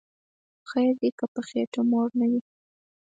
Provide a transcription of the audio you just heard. خیر دی که په خیټه موړ نه وی